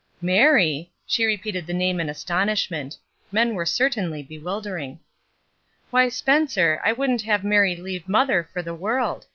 ''Mary!" She repeated the name in astonish ment. Men were certainly bewildering. "Why, Spencer, I wouldn't have Mary leave mother for the world.